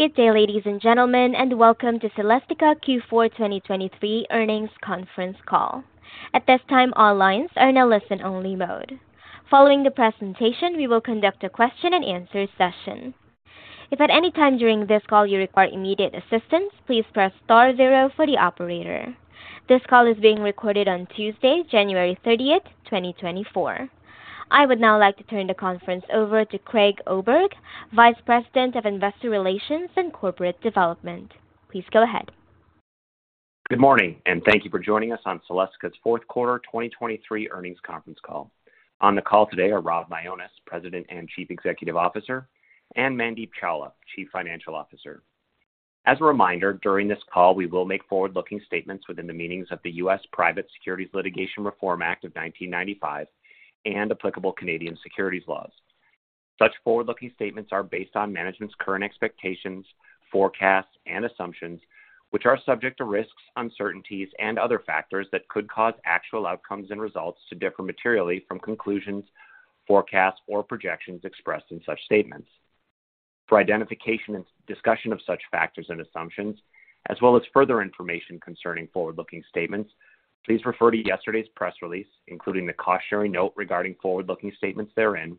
Good day, ladies and gentlemen, and welcome to Celestica Q4 2023 earnings conference call. At this time, all lines are in a listen-only mode. Following the presentation, we will conduct a question-and-answer session. If at any time during this call you require immediate assistance, please press star zero for the operator. This call is being recorded on Tuesday, January thirtieth, twenty twenty-four. I would now like to turn the conference over to Craig Oberg, Vice President of Investor Relations and Corporate Development. Please go ahead. Good morning, and thank you for joining us on Celestica's fourth quarter 2023 earnings conference call. On the call today are Rob Mionis, President and Chief Executive Officer, and Mandeep Chawla, Chief Financial Officer. As a reminder, during this call, we will make forward-looking statements within the meanings of the U.S. Private Securities Litigation Reform Act of 1995 and applicable Canadian securities laws. Such forward-looking statements are based on management's current expectations, forecasts, and assumptions, which are subject to risks, uncertainties, and other factors that could cause actual outcomes and results to differ materially from conclusions, forecasts, or projections expressed in such statements. For identification and discussion of such factors and assumptions, as well as further information concerning forward-looking statements, please refer to yesterday's press release, including the cautionary note regarding forward-looking statements therein,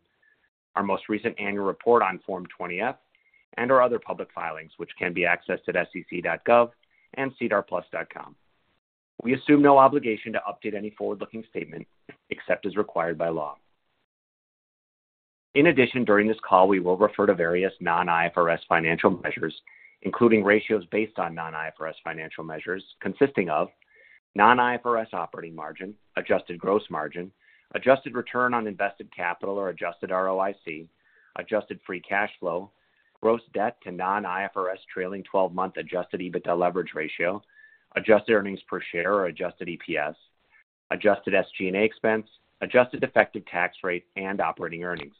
our most recent annual report on Form 20-F, and our other public filings, which can be accessed at SEC.gov and SEDARplus.ca. We assume no obligation to update any forward-looking statement except as required by law. In addition, during this call, we will refer to various non-IFRS financial measures, including ratios based on non-IFRS financial measures consisting of non-IFRS Operating Margin, Adjusted Gross Margin, Adjusted Return on Invested Capital or Adjusted ROIC, Adjusted Free Cash Flow, gross debt to non-IFRS trailing twelve-month Adjusted EBITDA leverage ratio, Adjusted Earnings Per Share or Adjusted EPS, Adjusted SG&A expense, Adjusted Effective Tax Rate, and operating earnings.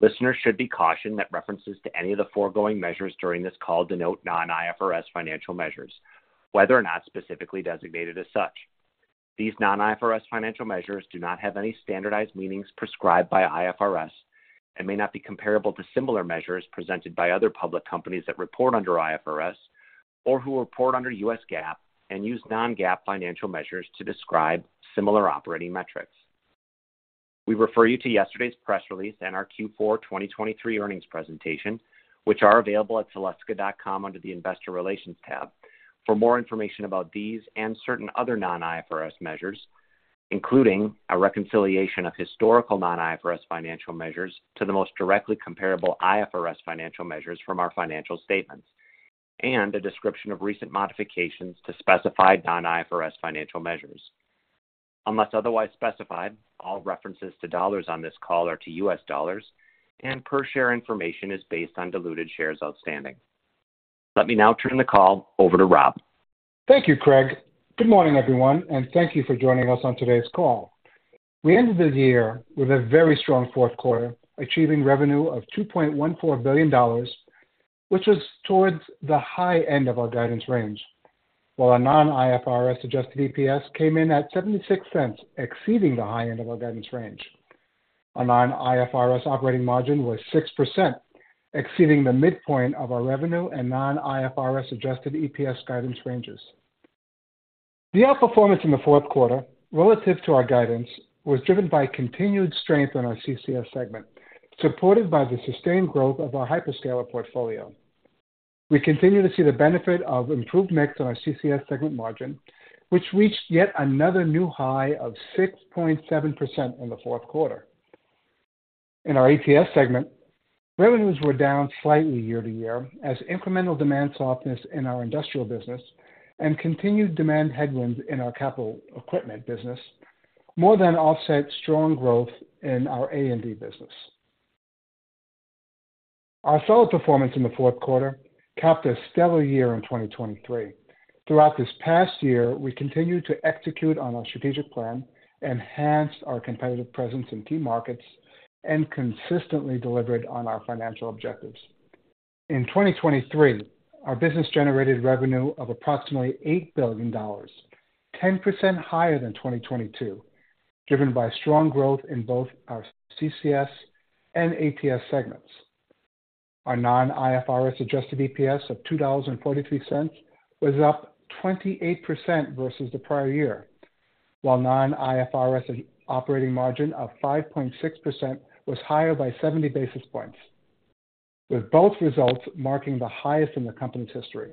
Listeners should be cautioned that references to any of the foregoing measures during this call denote non-IFRS financial measures, whether or not specifically designated as such. These non-IFRS financial measures do not have any standardized meanings prescribed by IFRS and may not be comparable to similar measures presented by other public companies that report under IFRS or who report under U.S. GAAP and use non-GAAP financial measures to describe similar operating metrics. We refer you to yesterday's press release and our Q4 2023 earnings presentation, which are available at celestica.com under the Investor Relations tab. For more information about these and certain other non-IFRS measures, including a reconciliation of historical non-IFRS financial measures to the most directly comparable IFRS financial measures from our financial statements, and a description of recent modifications to specified non-IFRS financial measures. Unless otherwise specified, all references to dollars on this call are to U.S. dollars, and per share information is based on diluted shares outstanding. Let me now turn the call over to Rob. Thank you, Craig. Good morning, everyone, and thank you for joining us on today's call. We ended the year with a very strong fourth quarter, achieving revenue of $2.14 billion, which was towards the high end of our guidance range, while our non-IFRS Adjusted EPS came in at $0.76, exceeding the high end of our guidance range. Our non-IFRS operating margin was 6%, exceeding the midpoint of our revenue and non-IFRS Adjusted EPS guidance ranges. The outperformance in the fourth quarter relative to our guidance was driven by continued strength in our CCS segment, supported by the sustained growth of our hyperscaler portfolio. We continue to see the benefit of improved mix on our CCS segment margin, which reached yet another new high of 6.7% in the fourth quarter. In our ATS segment, revenues were down slightly year-over-year as incremental demand softness in our industrial business and continued demand headwinds in our capital equipment business more than offset strong growth in our A&D business. Our solid performance in the fourth quarter capped a stellar year in 2023. Throughout this past year, we continued to execute on our strategic plan, enhanced our competitive presence in key markets, and consistently delivered on our financial objectives. In 2023, our business generated revenue of approximately $8 billion, 10% higher than 2022, driven by strong growth in both our CCS and ATS segments. Our non-IFRS Adjusted EPS of $2.43 was up 28% versus the prior year, while non-IFRS operating margin of 5.6% was higher by 70 basis points, with both results marking the highest in the company's history.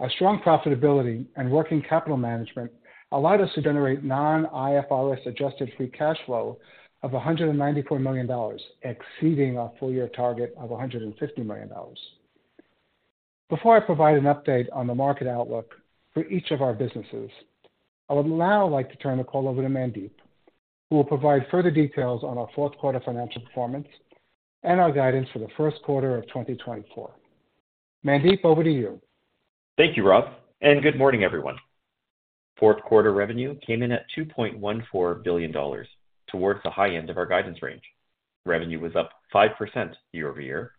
Our strong profitability and working capital management allowed us to generate non-IFRS Adjusted Free Cash Flow of $194 million, exceeding our full year target of $150 million. Before I provide an update on the market outlook for each of our businesses, I would now like to turn the call over to Mandeep, who will provide further details on our fourth quarter financial performance and our guidance for the first quarter of 2024. Mandeep, over to you. Thank you, Rob, and good morning, everyone. Fourth quarter revenue came in at $2.14 billion, towards the high end of our guidance range. Revenue was up 5% year-over-year,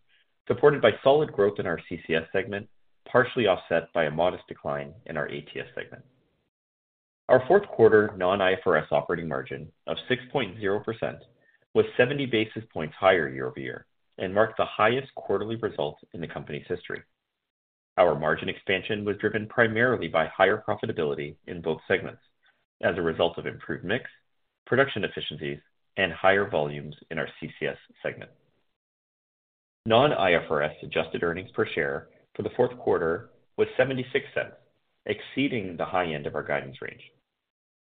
supported by solid growth in our CCS segment, partially offset by a modest decline in our ATS segment. Our fourth quarter Non-IFRS operating margin of 6.0% was 70 basis points higher year-over-year and marked the highest quarterly result in the company's history. Our margin expansion was driven primarily by higher profitability in both segments as a result of improved mix, production efficiencies, and higher volumes in our CCS segment. Non-IFRS adjusted earnings per share for the fourth quarter was $0.76, exceeding the high end of our guidance range.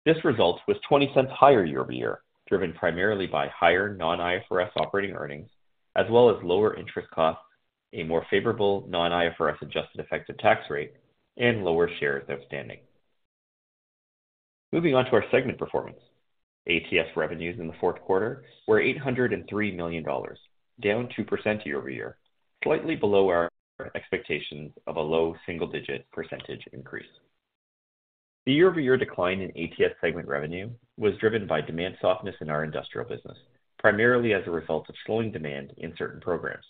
This result was $0.20 higher year-over-year, driven primarily by higher Non-IFRS operating earnings, as well as lower interest costs, a more favorable Non-IFRS adjusted effective tax rate, and lower shares outstanding. Moving on to our segment performance. ATS revenues in the fourth quarter were $803 million, down 2% year-over-year, slightly below our expectations of a low single-digit percentage increase. The year-over-year decline in ATS segment revenue was driven by demand softness in our industrial business, primarily as a result of slowing demand in certain programs,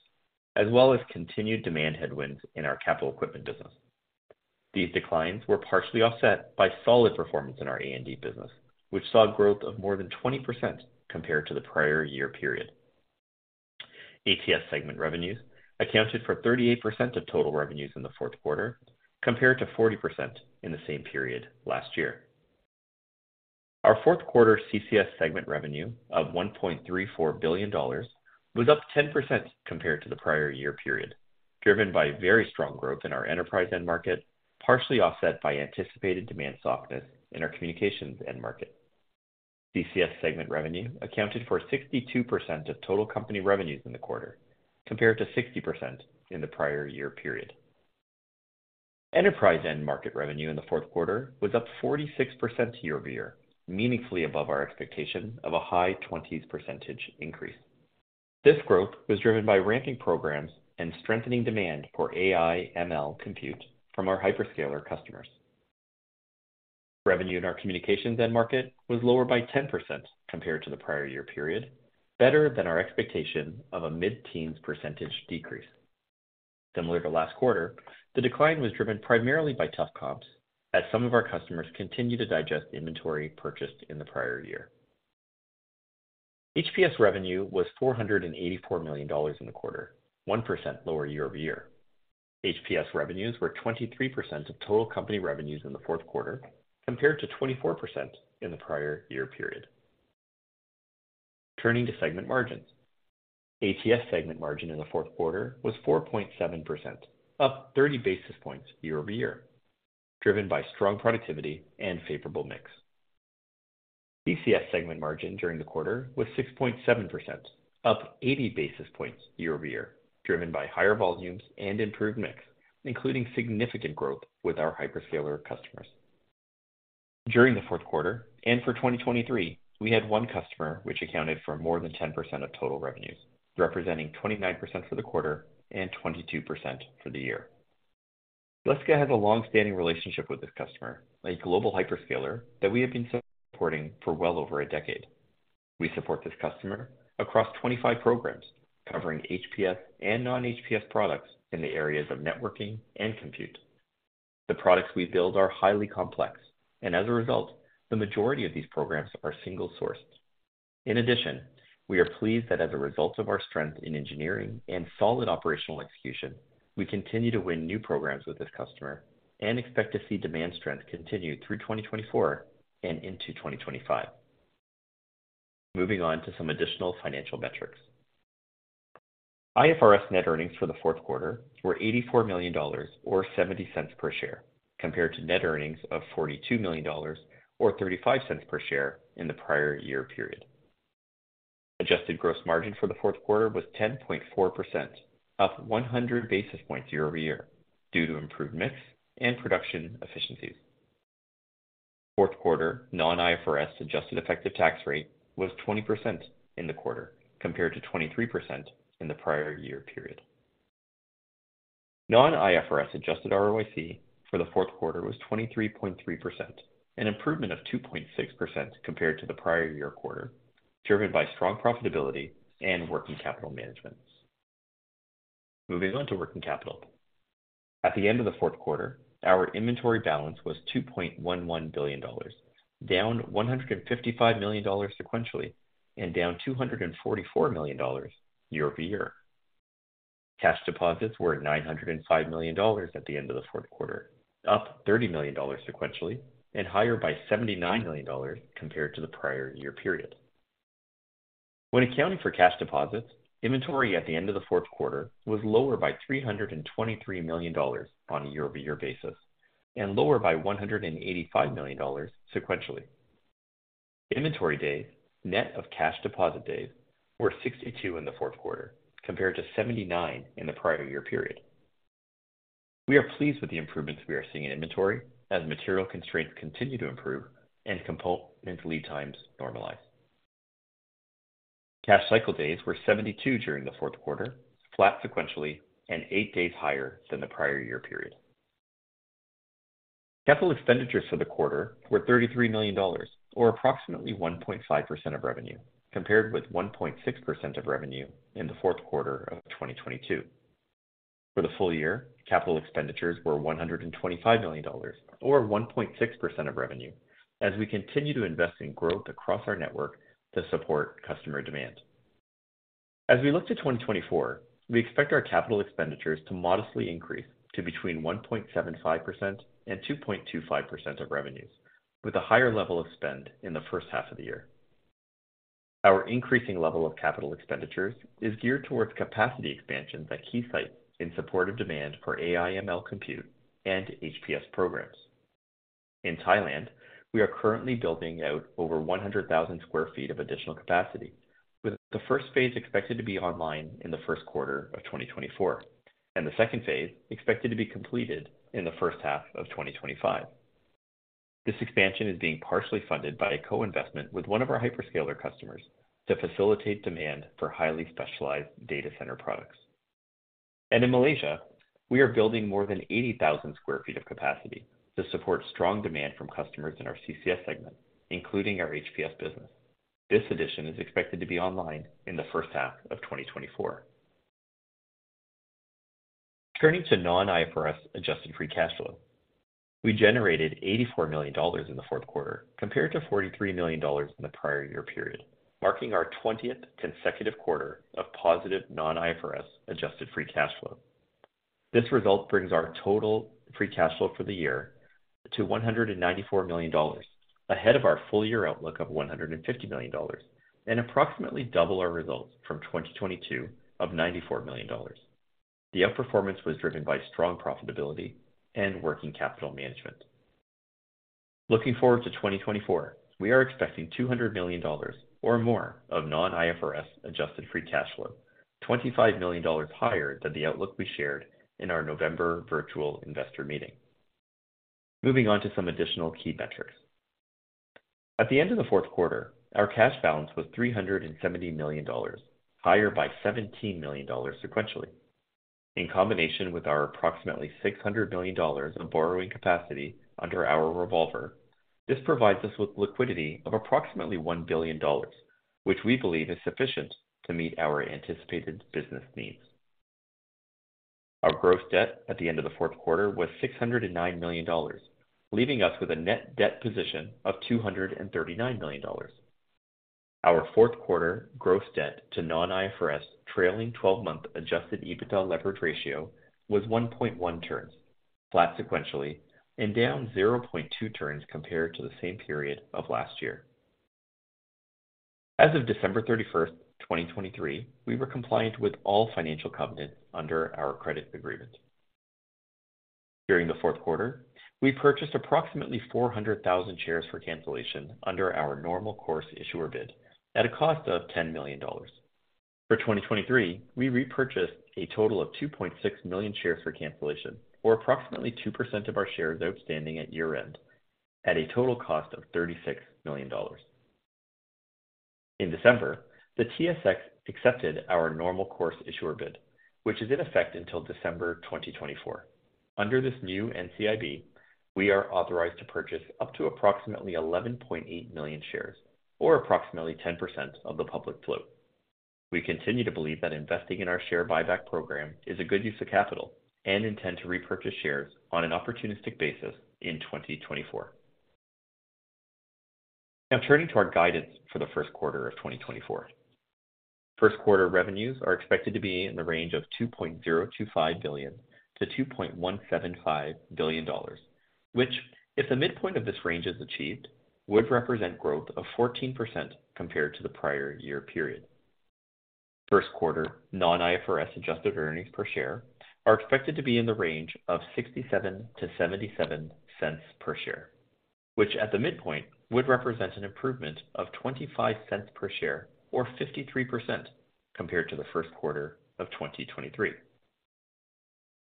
as well as continued demand headwinds in our capital equipment business. These declines were partially offset by solid performance in our A&D business, which saw growth of more than 20% compared to the prior year period. ATS segment revenues accounted for 38% of total revenues in the fourth quarter, compared to 40% in the same period last year. Our fourth quarter CCS segment revenue of $1.34 billion was up 10% compared to the prior year period, driven by very strong growth in our enterprise end market, partially offset by anticipated demand softness in our communications end market. CCS segment revenue accounted for 62% of total company revenues in the quarter, compared to 60% in the prior year period. Enterprise end market revenue in the fourth quarter was up 46% year-over-year, meaningfully above our expectation of a high 20s% increase. This growth was driven by ramping programs and strengthening demand for AI/ML compute from our hyperscaler customers. Revenue in our communications end market was lower by 10% compared to the prior year period, better than our expectation of a mid-teens% decrease. Similar to last quarter, the decline was driven primarily by tough comps as some of our customers continue to digest inventory purchased in the prior year. HPS revenue was $484 million in the quarter, 1% lower year-over-year. HPS revenues were 23% of total company revenues in the fourth quarter, compared to 24% in the prior year period. Turning to segment margins. ATS segment margin in the fourth quarter was 4.7%, up 30 basis points year-over-year, driven by strong productivity and favorable mix. CCS segment margin during the quarter was 6.7%, up 80 basis points year-over-year, driven by higher volumes and improved mix, including significant growth with our hyperscaler customers. During the fourth quarter and for 2023, we had one customer, which accounted for more than 10% of total revenues, representing 29% for the quarter and 22% for the year. Celestica has a long-standing relationship with this customer, a global hyperscaler that we have been supporting for well over a decade. We support this customer across 25 programs, covering HPS and non-HPS products in the areas of networking and compute. The products we build are highly complex, and as a result, the majority of these programs are single-sourced. In addition, we are pleased that as a result of our strength in engineering and solid operational execution, we continue to win new programs with this customer and expect to see demand strength continue through 2024 and into 2025. Moving on to some additional financial metrics. IFRS net earnings for the fourth quarter were $84 million or $0.70 per share, compared to net earnings of $42 million or $0.35 per share in the prior year period. Adjusted gross margin for the fourth quarter was 10.4%, up 100 basis points year-over-year due to improved mix and production efficiencies. Fourth quarter non-IFRS adjusted effective tax rate was 20% in the quarter, compared to 23% in the prior year period. Non-IFRS adjusted ROIC for the fourth quarter was 23.3%, an improvement of 2.6% compared to the prior year quarter, driven by strong profitability and working capital management. Moving on to working capital. At the end of the fourth quarter, our inventory balance was $2.11 billion, down $155 million sequentially and down $244 million year-over-year. Cash deposits were at $905 million at the end of the fourth quarter, up $30 million sequentially and higher by $79 million compared to the prior year period. When accounting for cash deposits, inventory at the end of the fourth quarter was lower by $323 million on a year-over-year basis and lower by $185 million sequentially. Inventory days, net of cash deposit days, were 62 in the fourth quarter, compared to 79 in the prior year period. We are pleased with the improvements we are seeing in inventory as material constraints continue to improve and component lead times normalize. Cash cycle days were 72 during the fourth quarter, flat sequentially and eight days higher than the prior year period. Capital expenditures for the quarter were $33 million, or approximately 1.5% of revenue, compared with 1.6% of revenue in the fourth quarter of 2022. For the full year, capital expenditures were $125 million, or 1.6% of revenue, as we continue to invest in growth across our network to support customer demand. As we look to 2024, we expect our capital expenditures to modestly increase to between 1.75% and 2.25% of revenues, with a higher level of spend in the first half of the year. Our increasing level of capital expenditures is geared towards capacity expansions at key sites in support of demand for AI/ML compute and HPS programs. In Thailand, we are currently building out over 100,000 sq ft of additional capacity, with the first phase expected to be online in the first quarter of 2024, and the second phase expected to be completed in the first half of 2025. This expansion is being partially funded by a co-investment with one of our hyperscaler customers to facilitate demand for highly specialized data center products. In Malaysia, we are building more than 80,000 sq ft of capacity to support strong demand from customers in our CCS segment, including our HPS business. This addition is expected to be online in the H1 of 2024. Turning to non-IFRS Adjusted Free Cash Flow. We generated $84 million in the fourth quarter, compared to $43 million in the prior year period, marking our 20th consecutive quarter of positive non-IFRS Adjusted Free Cash Flow. This result brings our total free cash flow for the year to $194 million, ahead of our full year outlook of $150 million, and approximately double our results from 2022 of $94 million. The outperformance was driven by strong profitability and working capital management. Looking forward to 2024, we are expecting $200 million or more of Non-IFRS adjusted free cash flow, $25 million higher than the outlook we shared in our November virtual investor meeting. Moving on to some additional key metrics. At the end of the fourth quarter, our cash balance was $370 million, higher by $17 million sequentially. In combination with our approximately $600 billion of borrowing capacity under our revolver, this provides us with liquidity of approximately $1 billion, which we believe is sufficient to meet our anticipated business needs. Our gross debt at the end of the fourth quarter was $609 million, leaving us with a net debt position of $239 million. Our fourth quarter gross debt to non-IFRS trailing twelve-month Adjusted EBITDA leverage ratio was 1.1 turns, flat sequentially, and down 0.2 turns compared to the same period of last year. As of December 31, 2023, we were compliant with all financial covenants under our credit agreement. During the fourth quarter, we purchased approximately 400,000 shares for cancellation under our normal course issuer bid at a cost of $10 million. For 2023, we repurchased a total of 2.6 million shares for cancellation, or approximately 2% of our shares outstanding at year-end, at a total cost of $36 million. In December, the TSX accepted our normal course issuer bid, which is in effect until December 2024. Under this new NCIB, we are authorized to purchase up to approximately 11.8 million shares, or approximately 10% of the public float. We continue to believe that investing in our share buyback program is a good use of capital and intend to repurchase shares on an opportunistic basis in 2024. Now turning to our guidance for the first quarter of 2024. First quarter revenues are expected to be in the range of $2.025 - 2.175 billion, which, if the midpoint of this range is achieved, would represent growth of 14% compared to the prior year period. First quarter non-IFRS adjusted earnings per share are expected to be in the range of $0.67-0.77 per share, which at the midpoint would represent an improvement of $0.25 per share, or 53% compared to the first quarter of 2023.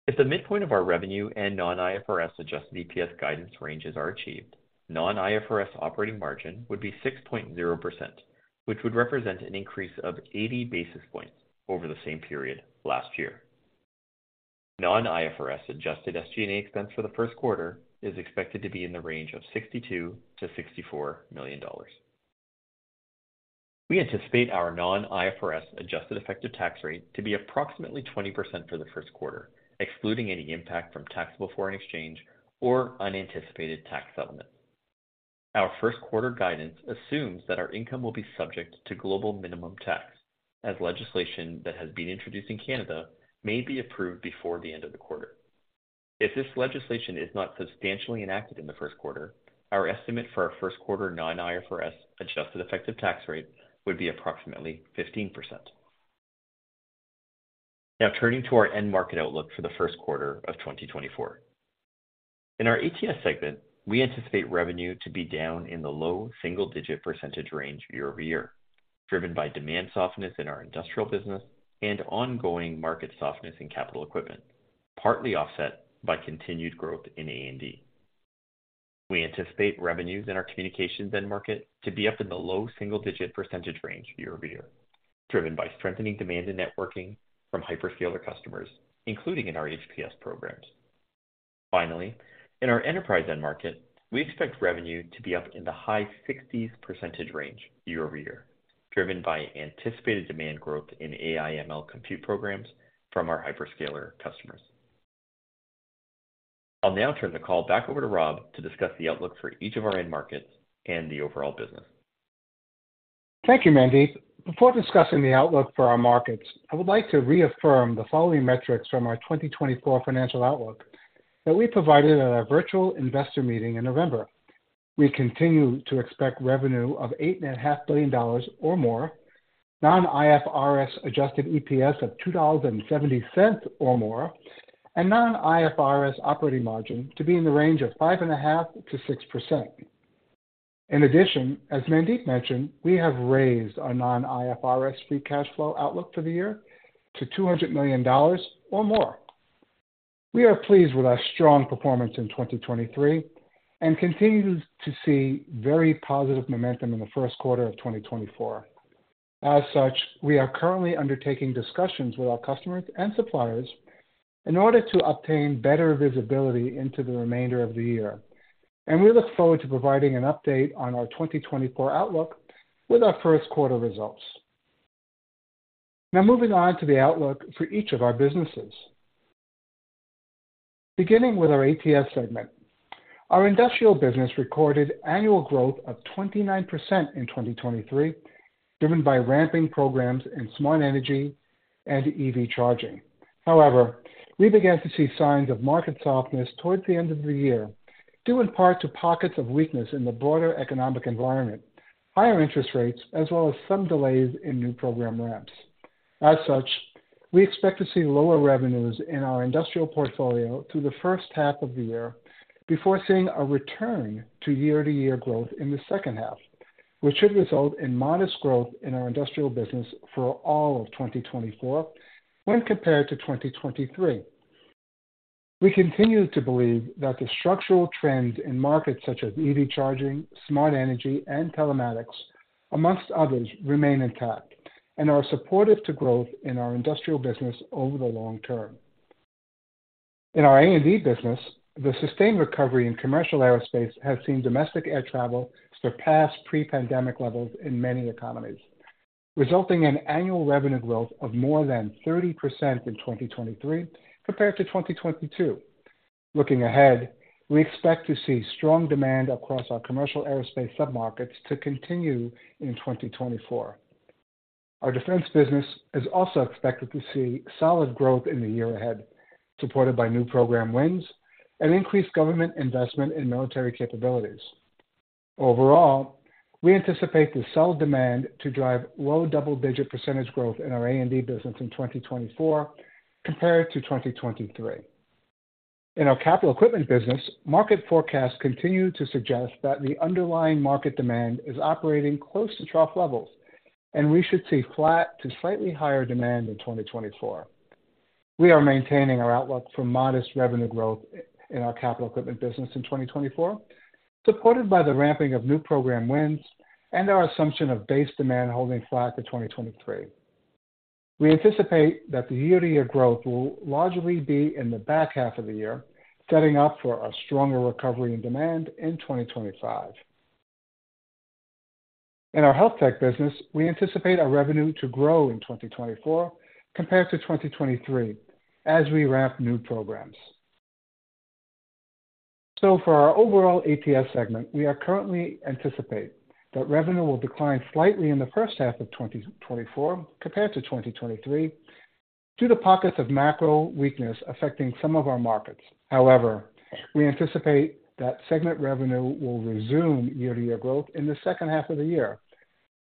If the midpoint of our revenue and non-IFRS Adjusted EPS guidance ranges are achieved, non-IFRS operating margin would be 6.0%, which would represent an increase of 80 basis points over the same period last year. Non-IFRS Adjusted SG&A expense for the first quarter is expected to be in the range of $62-64 million. We anticipate our Non-IFRS adjusted effective tax rate to be approximately 20% for the first quarter, excluding any impact from taxable foreign exchange or unanticipated tax settlements. Our first quarter guidance assumes that our income will be subject to global minimum tax, as legislation that has been introduced in Canada may be approved before the end of the quarter. If this legislation is not substantially enacted in the first quarter, our estimate for our first quarter Non-IFRS Adjusted Effective Tax Rate would be approximately 15%. Now turning to our end market outlook for the first quarter of 2024. In our ATS segment, we anticipate revenue to be down in the low single-digit percentage range year-over-year, driven by demand softness in our industrial business and ongoing market softness in capital equipment, partly offset by continued growth in A&D. We anticipate revenues in our communications end market to be up in the low single-digit % range year-over-year, driven by strengthening demand in networking from hyperscaler customers, including in our HPS programs. Finally, in our enterprise end market, we expect revenue to be up in the high 60s % range year-over-year, driven by anticipated demand growth in AI/ML compute programs from our hyperscaler customers. I'll now turn the call back over to Rob to discuss the outlook for each of our end markets and the overall business. Thank you, Mandeep. Before discussing the outlook for our markets, I would like to reaffirm the following metrics from our 2024 financial outlook that we provided at our virtual investor meeting in November. We continue to expect revenue of $8.5 billion or more, non-IFRS Adjusted EPS of $2.70 or more, and non-IFRS operating margin to be in the range of 5.5%-6%. In addition, as Mandeep mentioned, we have raised our non-IFRS free cash flow outlook for the year to $200 million or more. We are pleased with our strong performance in 2023 and continue to see very positive momentum in the first quarter of 2024. As such, we are currently undertaking discussions with our customers and suppliers in order to obtain better visibility into the remainder of the year, and we look forward to providing an update on our 2024 outlook with our first quarter results. Now, moving on to the outlook for each of our businesses. Beginning with our ATS segment, our industrial business recorded annual growth of 29% in 2023, driven by ramping programs in smart energy and EV charging. However, we began to see signs of market softness towards the end of the year, due in part to pockets of weakness in the broader economic environment, higher interest rates, as well as some delays in new program ramps. As such, we expect to see lower revenues in our industrial portfolio through the first half of the year, before seeing a return to year-to-year growth in the second half, which should result in modest growth in our industrial business for all of 2024 when compared to 2023. We continue to believe that the structural trends in markets such as EV charging, smart energy, and telematics, amongst others, remain intact and are supportive to growth in our industrial business over the long term. In our A&D business, the sustained recovery in commercial aerospace has seen domestic air travel surpass pre-pandemic levels in many economies, resulting in annual revenue growth of more than 30% in 2023 compared to 2022. Looking ahead, we expect to see strong demand across our commercial aerospace submarkets to continue in 2024. Our defense business is also expected to see solid growth in the year ahead, supported by new program wins and increased government investment in military capabilities. Overall, we anticipate the solid demand to drive low double-digit % growth in our A&D business in 2024 compared to 2023. In our capital equipment business, market forecasts continue to suggest that the underlying market demand is operating close to trough levels, and we should see flat to slightly higher demand in 2024. We are maintaining our outlook for modest revenue growth in our capital equipment business in 2024, supported by the ramping of new program wins and our assumption of base demand holding flat to 2023. We anticipate that the year-to-year growth will largely be in the back half of the year, setting up for a stronger recovery in demand in 2025. In our health tech business, we anticipate our revenue to grow in 2024 compared to 2023 as we ramp new programs. So for our overall ATS segment, we currently anticipate that revenue will decline slightly in the H1 of 2024 compared to 2023, due to pockets of macro weakness affecting some of our markets. However, we anticipate that segment revenue will resume year-to-year growth in the second half of the year.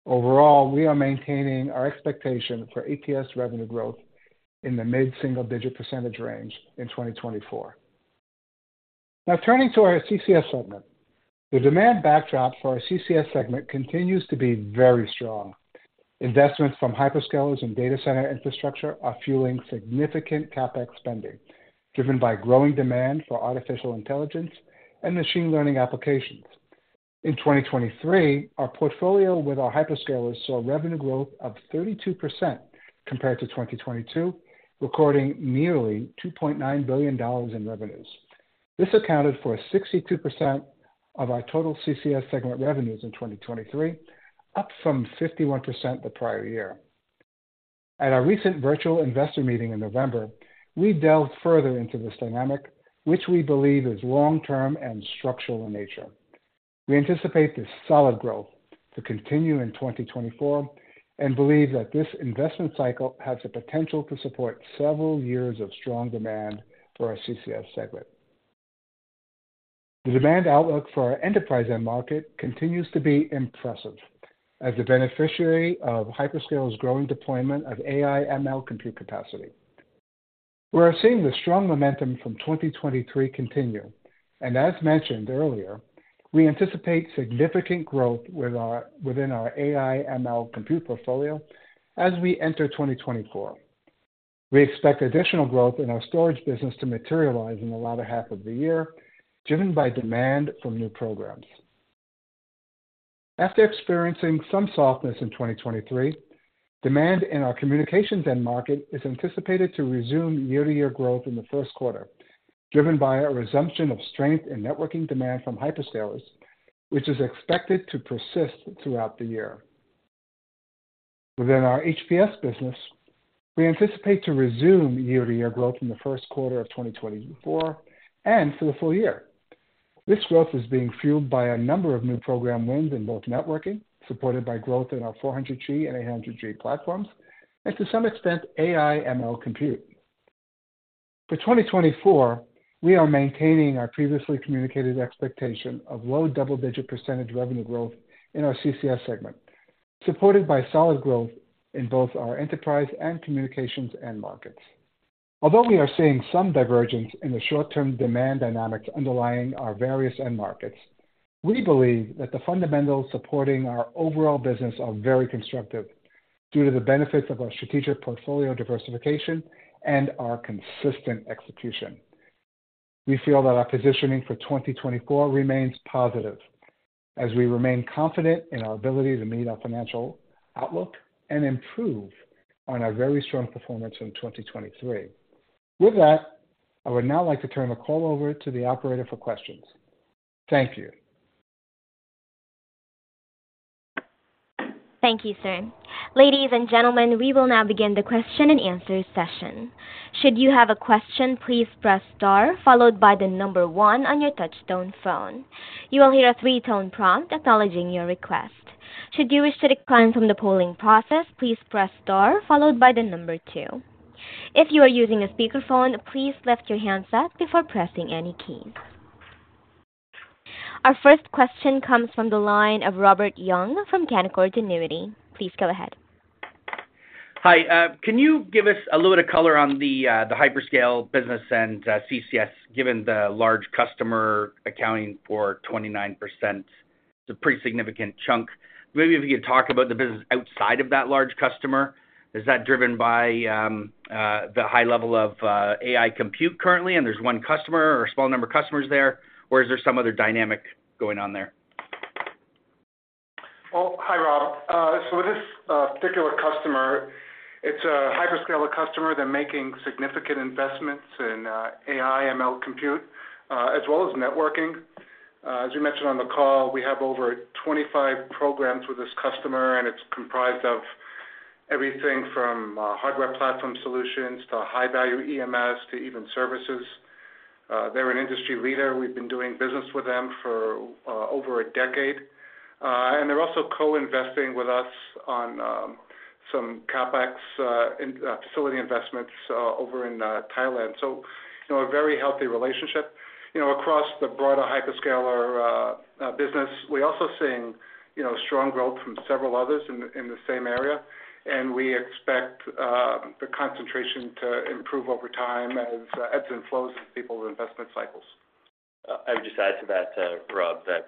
Overall, we are maintaining our expectation for ATS revenue growth in the mid-single-digit % range in 2024. Now, turning to our CCS segment. The demand backdrop for our CCS segment continues to be very strong. Investments from hyperscalers and data center infrastructure are fueling significant CapEx spending, driven by growing demand for artificial intelligence and machine learning applications. In 2023, our portfolio with our hyperscalers saw revenue growth of 32% compared to 2022, recording nearly $2.9 billion in revenues. This accounted for 62% of our total CCS segment revenues in 2023, up from 51% the prior year. At our recent virtual investor meeting in November, we delved further into this dynamic, which we believe is long-term and structural in nature. We anticipate this solid growth to continue in 2024 and believe that this investment cycle has the potential to support several years of strong demand for our CCS segment. The demand outlook for our enterprise end market continues to be impressive as the beneficiary of hyperscalers' growing deployment of AI/ML compute capacity. We are seeing the strong momentum from 2023 continue, and as mentioned earlier, we anticipate significant growth within our AI/ML compute portfolio as we enter 2024. We expect additional growth in our storage business to materialize in the latter half of the year, driven by demand from new programs. After experiencing some softness in 2023, demand in our communications end market is anticipated to resume year-to-year growth in the first quarter, driven by a resumption of strength in networking demand from hyperscalers, which is expected to persist throughout the year. Within our HPS business, we anticipate to resume year-to-year growth in the first quarter of 2024 and for the full year. This growth is being fueled by a number of new program wins in both networking, supported by growth in our 400G and 800G platforms, and to some extent, AI/ML compute. For 2024, we are maintaining our previously communicated expectation of low double-digit % revenue growth in our CCS segment, supported by solid growth in both our enterprise and communications end markets. Although we are seeing some divergence in the short-term demand dynamics underlying our various end markets, we believe that the fundamentals supporting our overall business are very constructive due to the benefits of our strategic portfolio diversification and our consistent execution. We feel that our positioning for 2024 remains positive, as we remain confident in our ability to meet our financial outlook and improve on our very strong performance in 2023. With that, I would now like to turn the call over to the operator for questions. Thank you. Thank you, sir. Ladies and gentlemen, we will now begin the question and answer session. Should you have a question, please press star followed by the number one on your touchtone phone. You will hear a three-tone prompt acknowledging your request. Should you wish to decline from the polling process, please press star followed by the number two. If you are using a speakerphone, please lift your handset before pressing any keys. Our first question comes from the line of Robert Young from Canaccord Genuity. Please go ahead. Hi. Can you give us a little bit of color on the hyperscaler business and CCS, given the large customer accounting for 29%? It's a pretty significant chunk. Maybe if you could talk about the business outside of that large customer. Is that driven by the high level of AI compute currently, and there's one customer or a small number of customers there, or is there some other dynamic going on there? Well, hi, Rob. So this particular customer, it's a hyperscaler customer. They're making significant investments in AI, ML compute, as well as networking. As you mentioned on the call, we have over 25 programs with this customer, and it's comprised of everything from Hardware Platform Solutions to high-value EMS to even services. They're an industry leader. We've been doing business with them for over a decade. And they're also co-investing with us on some CapEx, facility investments over in Thailand. So a very healthy relationship. You know, across the broader hyperscaler business, we're also seeing, you know, strong growth from several others in the same area, and we expect the concentration to improve over time as the ebbs and flows of people's investment cycles. I would just add to that, Rob, that,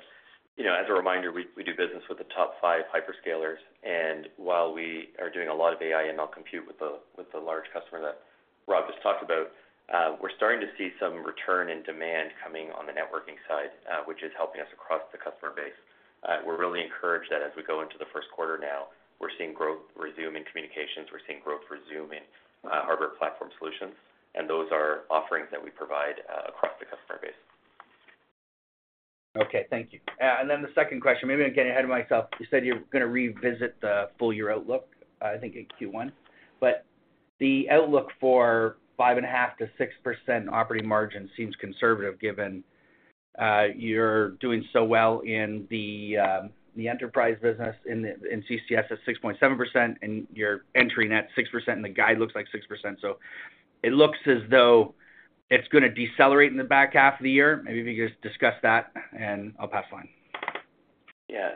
you know, as a reminder, we, we do business with the top five hyperscalers, and while we are doing a lot of AI and ML compute with the, with the large customer that Rob just talked about, we're starting to see some return in demand coming on the networking side, which is helping us across the customer base. We're really encouraged that as we go into the first quarter now, we're seeing growth resume in communications, we're seeing growth resume in, Hardware Platform Solutions, and those are offerings that we provide, across the customer base. Okay, thank you. And then the second question, maybe I'm getting ahead of myself. You said you're going to revisit the full year outlook, I think, in Q1, but the outlook for 5.5%-6% operating margin seems conservative, given you're doing so well in the enterprise business in CCS at 6.7%, and you're entering at 6%, and the guide looks like 6%. So it looks as though it's going to decelerate in the back half of the year. Maybe if you could just discuss that, and I'll pass the line. Yeah,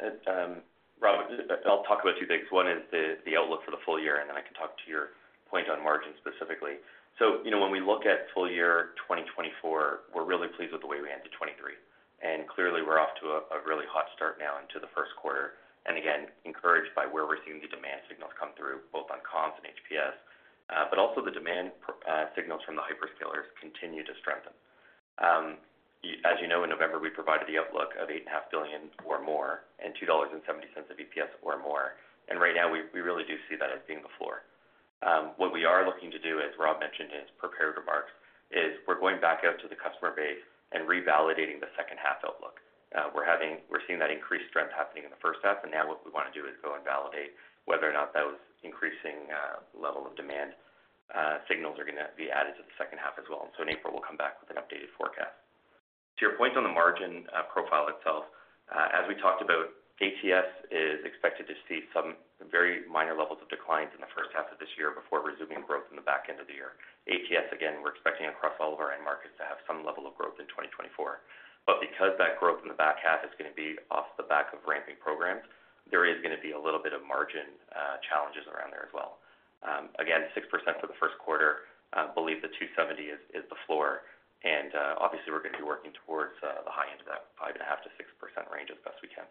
Rob, I'll talk about two things. One is the outlook for the full year, and then I can talk to your point on margin specifically. So you know, when we look at full year 2024, we're really pleased with the way we ended 2023. And clearly, we're off to a really hot start now into the first quarter, and again, encouraged by where we're seeing the demand signals come through, both on comms and HPS. But also the demand signals from the hyperscalers continue to strengthen. As you know, in November, we provided the outlook of $8.5 billion or more, and $2.70 of EPS or more. And right now, we really do see that as being the floor. What we are looking to do, as Rob mentioned in his prepared remarks, is we're going back out to the customer base and revalidating the second half outlook. We're seeing that increased strength happening in the first half, and now what we want to do is go and validate whether or not those increasing level of demand signals are going to be added to the second half as well. And so in April, we'll come back with an updated forecast. To your point on the margin profile itself, as we talked about, ATS is expected to see some very minor levels of declines in the first half of this year before resuming growth in the back end of the year. ATS, again, we're expecting across all of our end markets to have some level of growth in 2024. But because that growth in the back half is going to be off the back of ramping programs, there is going to be a little bit of margin challenges around there as well. Again, 6% for the first quarter. I believe the 270 is, is the floor, and obviously we're going to be working towards the high end of that 5.5%-6% range as best we can.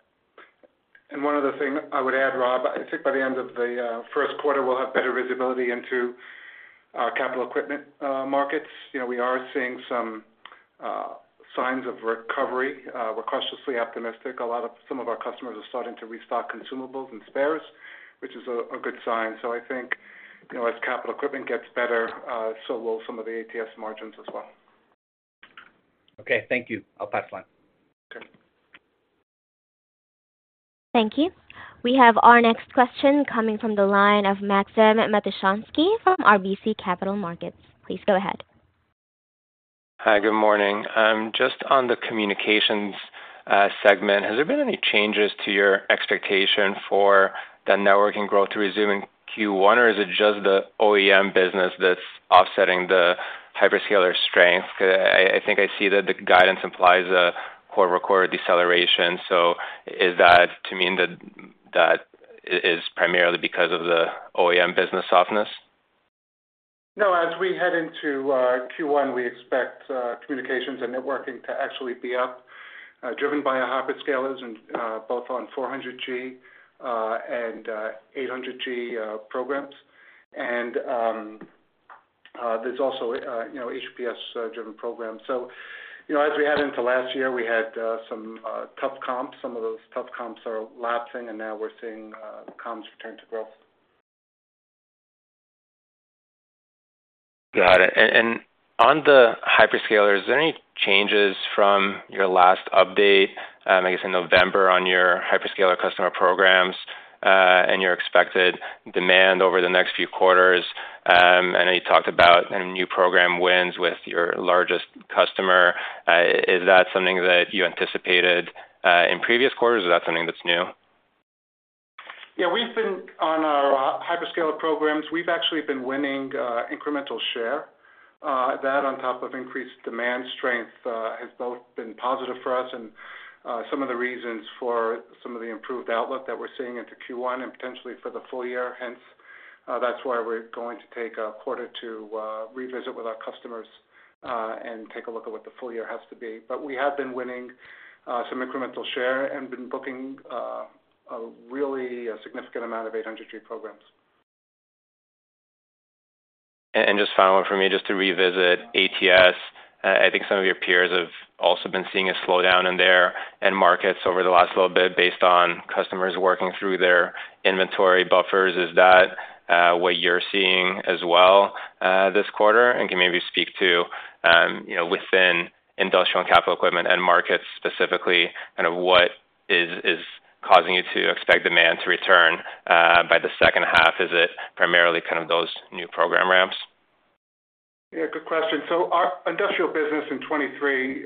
One other thing I would add, Rob, I think by the end of the first quarter, we'll have better visibility into-... Our capital equipment markets, you know, we are seeing some signs of recovery. We're cautiously optimistic. Some of our customers are starting to restock consumables and spares, which is a good sign. So I think, you know, as capital equipment gets better, so will some of the ATS margins as well. Okay, thank you. I'll pass the line. Okay. Thank you. We have our next question coming from the line of Maxim Matushansky from RBC Capital Markets. Please go ahead. Hi, good morning. Just on the communications segment, has there been any changes to your expectation for the networking growth to resume in Q1, or is it just the OEM business that's offsetting the hyperscaler strength? I think I see that the guidance implies a core record deceleration. So is that to mean that is primarily because of the OEM business softness? No. As we head into Q1, we expect communications and networking to actually be up, driven by our hyperscalers and both on 400G and 800G programs. And there's also, you know, HPS-driven programs. So, you know, as we head into last year, we had some tough comps. Some of those tough comps are lapsing, and now we're seeing comps return to growth. Got it. And on the hyperscalers, are there any changes from your last update, I guess, in November, on your hyperscaler customer programs, and your expected demand over the next few quarters? I know you talked about new program wins with your largest customer. Is that something that you anticipated in previous quarters, or is that something that's new? Yeah, we've been on our hyperscaler programs. We've actually been winning incremental share. That on top of increased demand strength has both been positive for us and some of the reasons for some of the improved outlook that we're seeing into Q1 and potentially for the full year. Hence, that's why we're going to take a quarter to revisit with our customers and take a look at what the full year has to be. But we have been winning some incremental share and been booking a really significant amount of 800G programs. And just final one for me, just to revisit ATS. I think some of your peers have also been seeing a slowdown in their end markets over the last little bit based on customers working through their inventory buffers. Is that what you're seeing as well this quarter? And can you maybe speak to, you know, within industrial and capital equipment end markets, specifically, kind of what is causing you to expect demand to return by the second half? Is it primarily kind of those new program ramps? Yeah, good question. So our industrial business in 2023,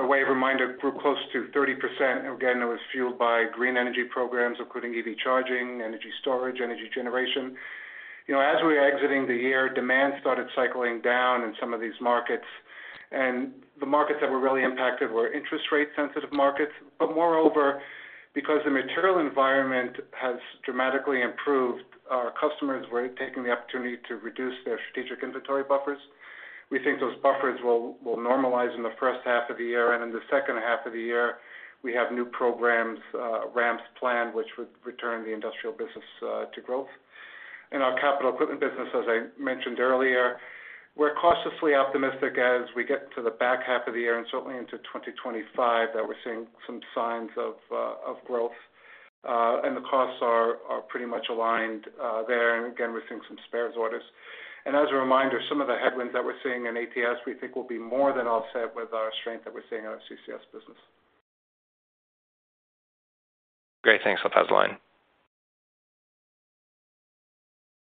by way of reminder, grew close to 30%. Again, it was fueled by green energy programs, including EV charging, energy storage, energy generation. You know, as we were exiting the year, demand started cycling down in some of these markets, and the markets that were really impacted were interest rate-sensitive markets. But moreover, because the material environment has dramatically improved, our customers were taking the opportunity to reduce their strategic inventory buffers. We think those buffers will normalize in the first half of the year, and in the second half of the year, we have new programs, ramps planned, which would return the industrial business to growth. In our capital equipment business, as I mentioned earlier, we're cautiously optimistic as we get to the back half of the year and certainly into 2025, that we're seeing some signs of growth, and the costs are pretty much aligned, there. And again, we're seeing some spares orders. And as a reminder, some of the headwinds that we're seeing in ATS, we think will be more than offset with our strength that we're seeing in our CCS business. Great. Thanks, I'll pass the line.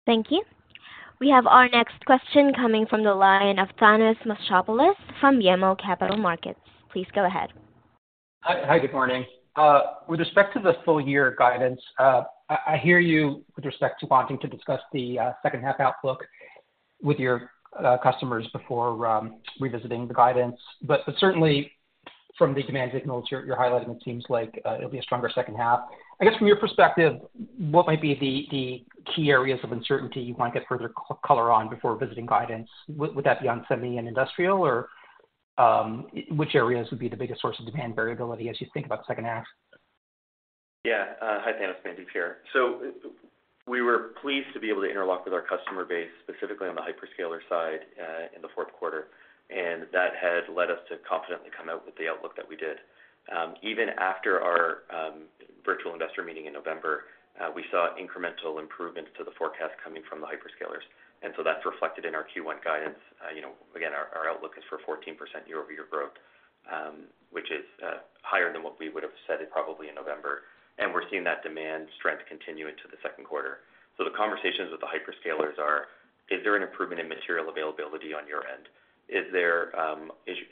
Thank you. We have our next question coming from the line of Thanos Moschopoulos from BMO Capital Markets. Please go ahead. Hi. Good morning. With respect to the full year guidance, I hear you with respect to wanting to discuss the second half outlook with your customers before revisiting the guidance. But certainly from the demand signals you're highlighting, it seems like it'll be a stronger second half. I guess, from your perspective, what might be the key areas of uncertainty you want to get further color on before revisiting guidance? Would that be on semi and industrial, or which areas would be the biggest source of demand variability as you think about the second half? Yeah. Hi, Thanos, Mandeep here. So we were pleased to be able to interlock with our customer base, specifically on the hyperscaler side, in the fourth quarter, and that has led us to confidently come out with the outlook that we did. Even after our virtual investor meeting in November, we saw incremental improvements to the forecast coming from the hyperscalers, and so that's reflected in our Q1 guidance. You know, again, our outlook is for 14% year-over-year growth, which is higher than what we would have said it probably in November, and we're seeing that demand strength continue into the second quarter. So the conversations with the hyperscalers are: Is there an improvement in material availability on your end? Is there,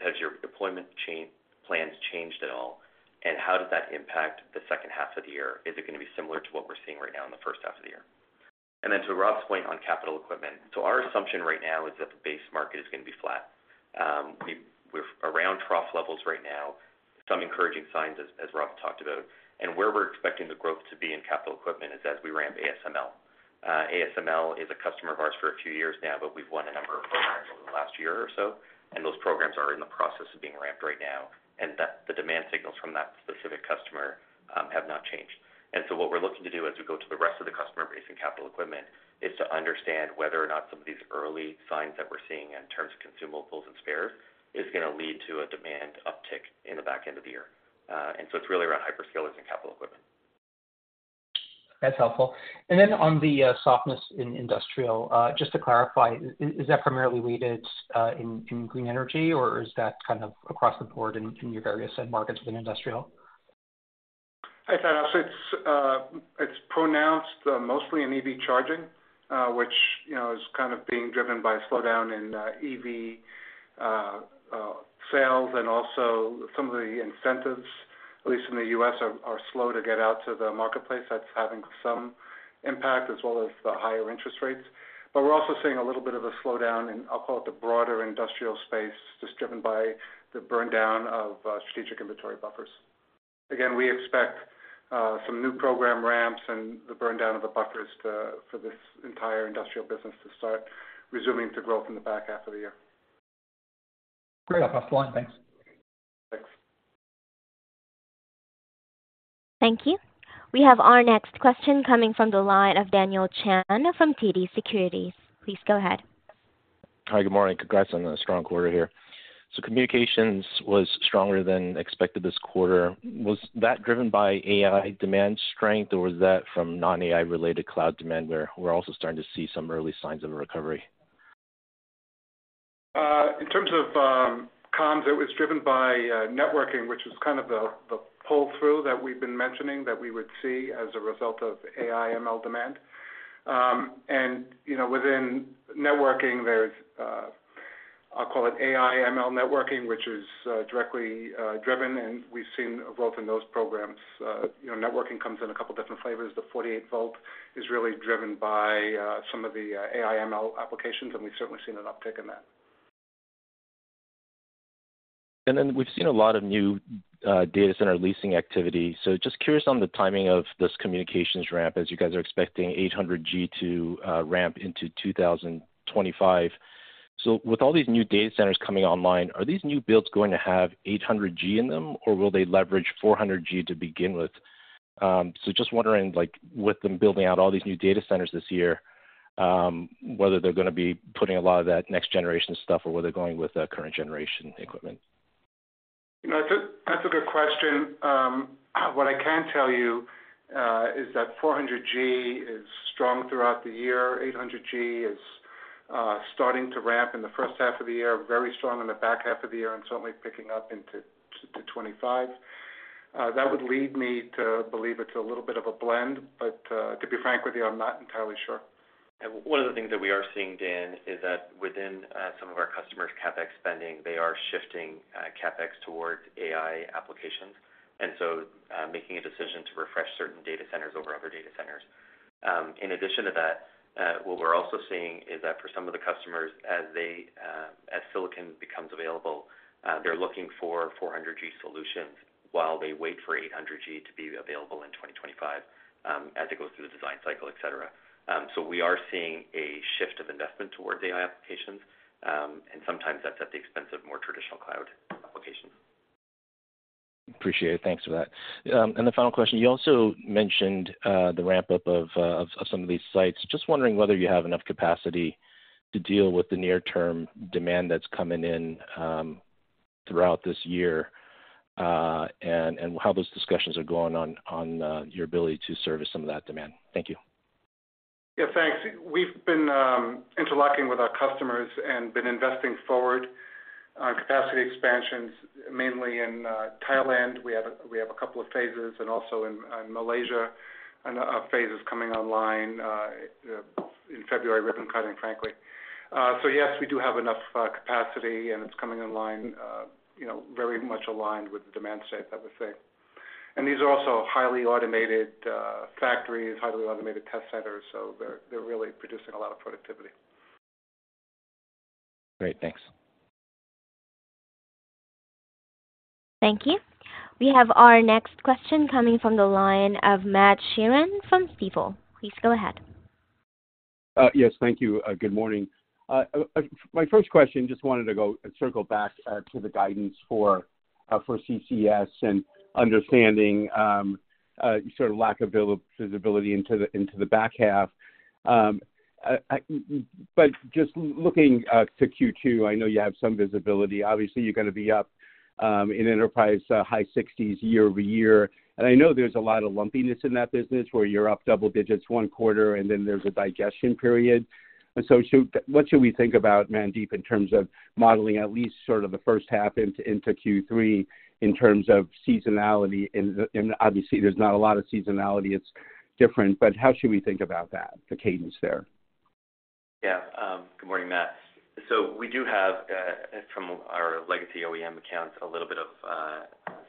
has your deployment chain plans changed at all? And how does that impact the second half of the year? Is it going to be similar to what we're seeing right now in the first half of the year? And then to Rob's point on capital equipment, so our assumption right now is that the base market is going to be flat. We're around trough levels right now. Some encouraging signs as Rob talked about, and where we're expecting the growth to be in capital equipment is as we ramp ASML. ASML is a customer of ours for a few years now, but we've won a number of programs over the last year or so, and those programs are in the process of being ramped right now, and that the demand signals from that specific customer have not changed. And so what-... The rest of the customer base in capital equipment is to understand whether or not some of these early signs that we're seeing in terms of consumables and spares is gonna lead to a demand uptick in the back end of the year. It's really around hyperscalers and capital equipment. That's helpful. And then on the softness in industrial, just to clarify, is that primarily weighted in green energy, or is that kind of across the board in your various end markets within industrial? Hi, Thanos. It's pronounced mostly in EV charging, which, you know, is kind of being driven by a slowdown in EV sales, and also some of the incentives, at least in the U.S., are slow to get out to the marketplace. That's having some impact, as well as the higher interest rates. But we're also seeing a little bit of a slowdown in, I'll call it, the broader industrial space, just driven by the burn down of strategic inventory buffers. Again, we expect some new program ramps and the burn down of the buffers for this entire industrial business to start resuming to growth in the back half of the year. Great. I'll pass the line. Thanks. Thanks. Thank you. We have our next question coming from the line of Daniel Chan from TD Securities. Please go ahead. Hi, good morning. Congrats on the strong quarter here. So communications was stronger than expected this quarter. Was that driven by AI demand strength, or was that from non-AI related cloud demand, where we're also starting to see some early signs of a recovery? In terms of comms, it was driven by networking, which is kind of the pull-through that we've been mentioning that we would see as a result of AI/ML demand. And you know, within networking, there's, I'll call it AI/ML networking, which is directly driven, and we've seen growth in those programs. You know, networking comes in a couple different flavors. The 48 volt is really driven by some of the AI/ML applications, and we've certainly seen an uptick in that. Then we've seen a lot of new data center leasing activity. So just curious on the timing of this communications ramp, as you guys are expecting 800G to ramp into 2025. So with all these new data centers coming online, are these new builds going to have 800G in them, or will they leverage 400G to begin with? So just wondering, like, with them building out all these new data centers this year, whether they're gonna be putting a lot of that next generation stuff or whether they're going with the current generation equipment. You know, that's a good question. What I can tell you is that 400G is strong throughout the year. 800G is starting to ramp in the first half of the year, very strong in the back half of the year, and certainly picking up into 2025. That would lead me to believe it's a little bit of a blend, but to be frank with you, I'm not entirely sure. One of the things that we are seeing, Dan, is that within some of our customers' CapEx spending, they are shifting CapEx towards AI applications, and so, making a decision to refresh certain data centers over other data centers. In addition to that, what we're also seeing is that for some of the customers, as silicon becomes available, they're looking for 400G solutions while they wait for 800G to be available in 2025, as it goes through the design cycle, et cetera. We are seeing a shift of investment towards AI applications, and sometimes that's at the expense of more traditional cloud applications. Appreciate it. Thanks for that. And the final question, you also mentioned, the ramp-up of some of these sites. Just wondering whether you have enough capacity to deal with the near-term demand that's coming in, throughout this year, and how those discussions are going on, on your ability to service some of that demand. Thank you. Yeah, thanks. We've been interlocking with our customers and been investing forward on capacity expansions, mainly in Thailand. We have a couple of phases, and also in Malaysia, and a phase is coming online in February, ribbon cutting, frankly. So yes, we do have enough capacity, and it's coming online, you know, very much aligned with the demand shape, I would say. And these are also highly automated factories, highly automated test centers, so they're really producing a lot of productivity. Great. Thanks. Thank you. We have our next question coming from the line of Matt Sheerin from Stifel. Please go ahead. Yes, thank you. Good morning. My first question, just wanted to go and circle back to the guidance for CCS and understanding sort of lack of visibility into the back half. But just looking to Q2, I know you have some visibility. Obviously, you're gonna be up in enterprise high 60s year over year. And I know there's a lot of lumpiness in that business, where you're up double digits one quarter, and then there's a digestion period. And so what should we think about, Mandeep, in terms of modeling at least sort of the first half into Q3 in terms of seasonality? And obviously, there's not a lot of seasonality, it's different, but how should we think about that, the cadence there? Yeah. Good morning, Matt. So we do have, from our legacy OEM accounts, a little bit of,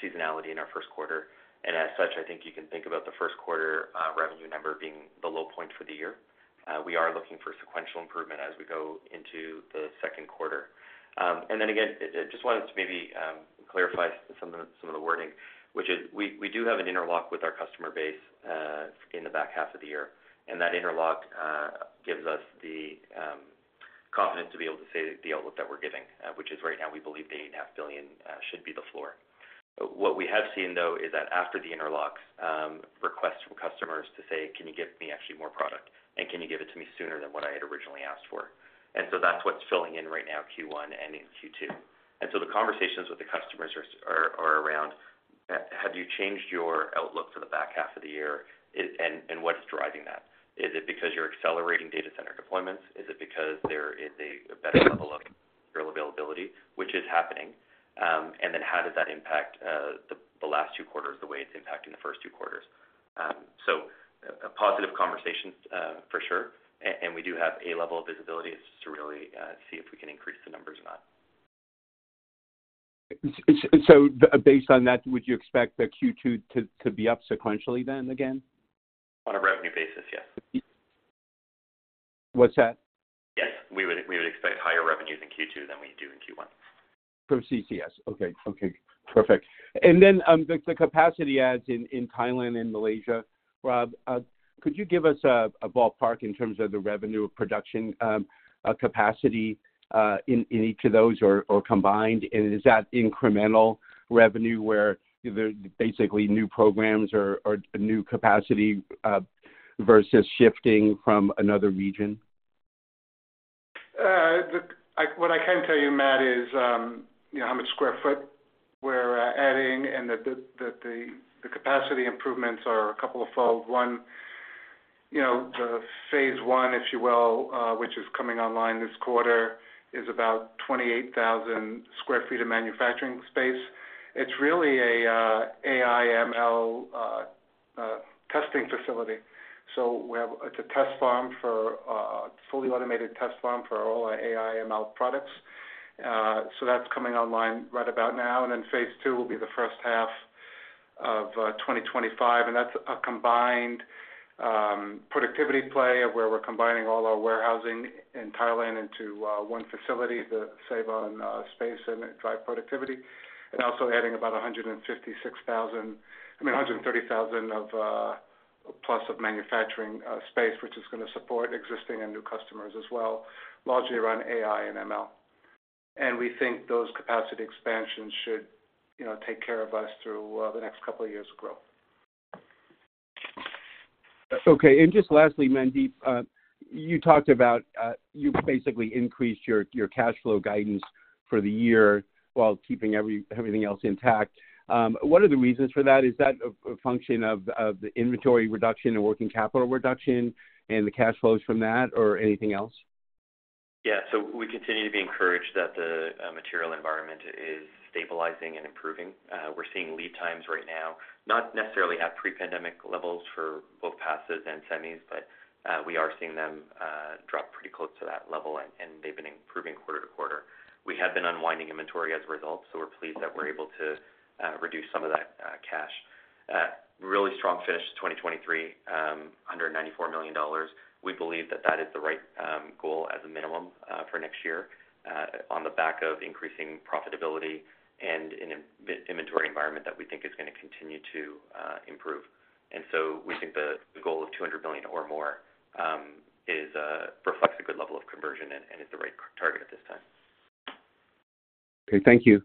seasonality in our first quarter, and as such, I think you can think about the first quarter, revenue number being the low point for the year. We are looking for sequential improvement as we go into the second quarter. And then again, just wanted to maybe, clarify some of the, some of the wording, which is we, we do have an interlock with our customer base, in the back half of the year, and that interlock, gives us the, confidence to be able to say the outlook that we're giving, which is right now, we believe the $8.5 billion should be the floor. What we have seen, though, is that after the interlocks, requests from customers to say, "Can you give me actually more product, and can you give it to me sooner than what I had originally asked for?" And so that's what's filling in right now in Q1 and in Q2. And so the conversations with the customers are around, have you changed your outlook for the back half of the year? And what's driving that? Is it because you're accelerating data center deployments? Is it because there is a better level of real availability, which is happening? And then how does that impact the last two quarters, the way it's impacting the first two quarters? So positive conversations for sure, and we do have a level of visibility. It's to really see if we can increase the numbers or not. So based on that, would you expect the Q2 to be up sequentially, then again? On a revenue basis, yes. What's that? Yes, we would, we would expect higher revenues in Q2 than we do in Q1. From CCS. Okay. Okay, perfect. And then, the capacity adds in Thailand and Malaysia, Rob, could you give us a ballpark in terms of the revenue production capacity in each of those or combined? And is that incremental revenue where there's basically new programs or new capacity versus shifting from another region? What I can tell you, Matt, is, you know, how much square feet we're adding, and that the capacity improvements are a couple of fold. One, you know, the phase one, if you will, which is coming online this quarter, is about 28,000 sq ft of manufacturing space. It's really a AI/ML testing facility. So it's a test farm for fully automated test farm for all our AI/ML products. So that's coming online right about now, and then phase two will be the first half of 2025, and that's a combined productivity play of where we're combining all our warehousing in Thailand into one facility to save on space and drive productivity. Also adding about 156,000-- I mean, 130,000 of plus of manufacturing space, which is going to support existing and new customers as well, largely around AI and ML. And we think those capacity expansions should, you know, take care of us through the next couple of years of growth. Okay. And just lastly, Mandeep, you talked about, you basically increased your, your cash flow guidance for the year while keeping everything else intact. What are the reasons for that? Is that a, a function of, of the inventory reduction and working capital reduction and the cash flows from that or anything else? Yeah. So we continue to be encouraged that the material environment is stabilizing and improving. We're seeing lead times right now, not necessarily at pre-pandemic levels for both passes and semis, but we are seeing them drop pretty close to that level, and they've been improving quarter-over-quarter. We have been unwinding inventory as a result, so we're pleased that we're able to reduce some of that cash. Really strong finish to 2023, under $94 million. We believe that that is the right goal as a minimum, for next year, on the back of increasing profitability and an inventory environment that we think is going to continue to improve. And so we think the goal of $200 million or more reflects a good level of conversion and is the right target at this time. Okay. Thank you.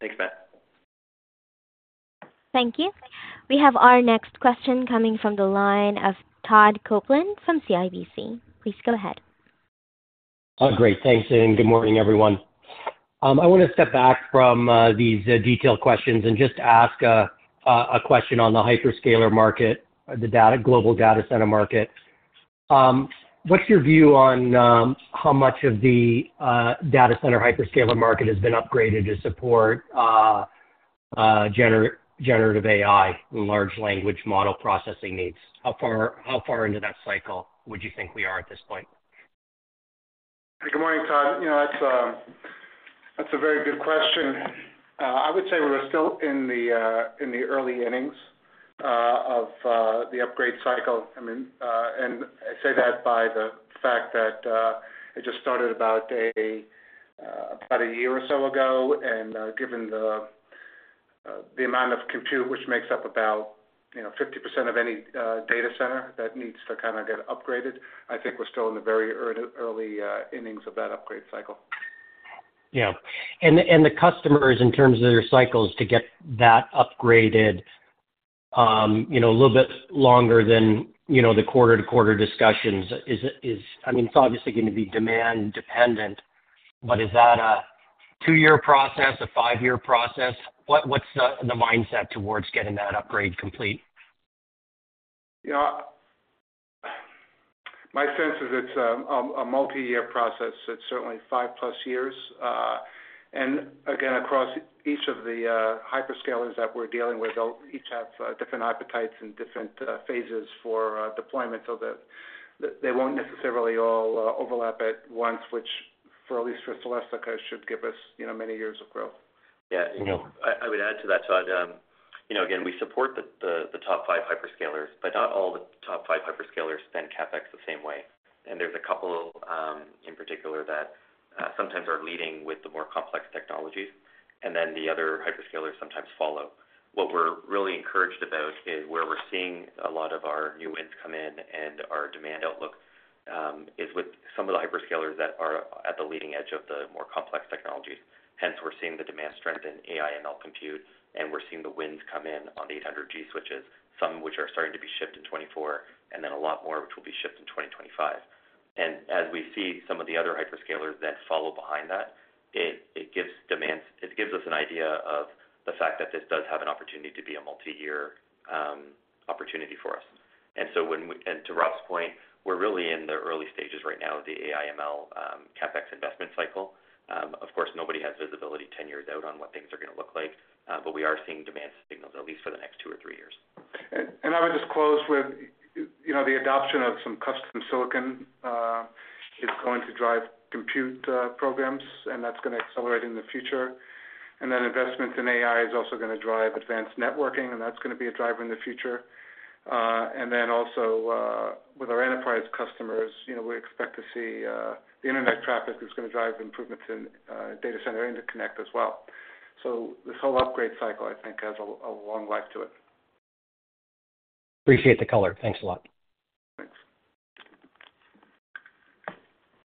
Thanks, Matt. Thank you. We have our next question coming from the line of Todd Coupland from CIBC. Please go ahead. Oh, great. Thanks, and good morning, everyone. I want to step back from these detailed questions and just ask a question on the hyperscaler market, the global data center market. What's your view on how much of the data center hyperscaler market has been upgraded to support generative AI and large language model processing needs? How far into that cycle would you think we are at this point? Good morning, Todd. You know, that's a very good question. I would say we're still in the early innings of the upgrade cycle. I mean, and I say that by the fact that it just started about a year or so ago. And given the amount of compute, which makes up about, you know, 50% of any data center that needs to kind of get upgraded, I think we're still in the very early innings of that upgrade cycle. Yeah. And the customers, in terms of their cycles to get that upgraded, you know, a little bit longer than, you know, the quarter-to-quarter discussions, is it, I mean, it's obviously going to be demand dependent, but is that a 2-year process, a 5-year process? What's the mindset towards getting that upgrade complete? Yeah. My sense is it's a multi-year process. It's certainly 5+ years. And again, across each of the hyperscalers that we're dealing with, they'll each have different appetites and different phases for deployment, so that they won't necessarily all overlap at once, which for at least for Celestica should give us, you know, many years of growth. Yeah. I, I would add to that, Todd. You know, again, we support the top 5 hyperscalers, but not all the top five hyperscalers spend CapEx the same way. There's a couple in particular that sometimes are leading with the more complex technologies, and then the other hyperscalers sometimes follow. What we're really encouraged about is where we're seeing a lot of our new wins come in, and our demand outlook is with some of the hyperscalers that are at the leading edge of the more complex technologies. Hence, we're seeing the demand strength in AI/ML compute, and we're seeing the wins come in on the 800G switches, some of which are starting to be shipped in 2024, and then a lot more, which will be shipped in 2025. As we see some of the other hyperscalers that follow behind that, it gives us an idea of the fact that this does have an opportunity to be a multi-year opportunity for us. And to Rob's point, we're really in the early stages right now of the AI/ML CapEx investment cycle. Of course, nobody has visibility 10 years out on what things are going to look like, but we are seeing demand signals at least for the next two or three years. And I would just close with, you know, the adoption of some custom silicon is going to drive compute programs, and that's going to accelerate in the future. And then investment in AI is also going to drive advanced networking, and that's going to be a driver in the future. And then also, with our enterprise customers, you know, we expect to see the internet traffic is going to drive improvements in data center interconnect as well. So this whole upgrade cycle, I think, has a long life to it. Appreciate the color. Thanks a lot. Thanks.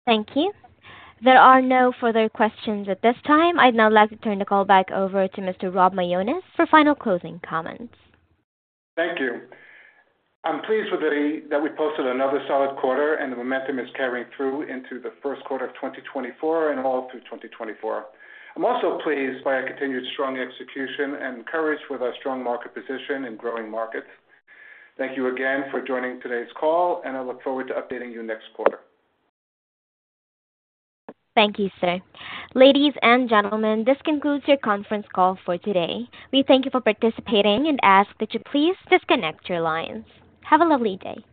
Thank you. There are no further questions at this time. I'd now like to turn the call back over to Mr. Rob Mionis for final closing comments. Thank you. I'm pleased that we posted another solid quarter, and the momentum is carrying through into the first quarter of 2024 and all through 2024. I'm also pleased by our continued strong execution and encouraged with our strong market position in growing markets. Thank you again for joining today's call, and I look forward to updating you next quarter. Thank you, sir. Ladies and gentlemen, this concludes your conference call for today. We thank you for participating and ask that you please disconnect your lines. Have a lovely day.